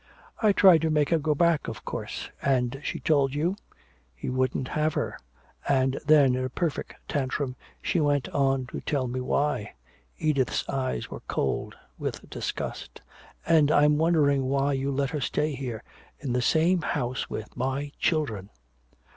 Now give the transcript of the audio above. "I tried to make her go back, of course " "And she told you " "He wouldn't have her! And then in a perfect tantrum she went on to tell me why!" Edith's eyes were cold with disgust. "And I'm wondering why you let her stay here in the same house with my children!"